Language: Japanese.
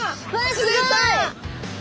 釣れた！